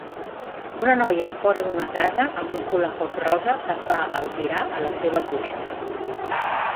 Una noia fora d'una casa amb un hula hoop rosa que fa el girar a la seva cuixa.